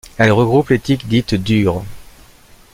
Elle regroupe les tiques dites dures.